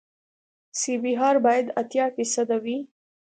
سی بي ار باید اتیا فیصده وي